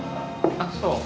あっそう。